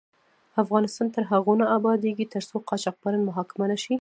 افغانستان تر هغو نه ابادیږي، ترڅو قاچاقبران محاکمه نشي.